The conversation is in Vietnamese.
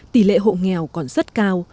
tỷ lệ hộ nghèo còn rất cao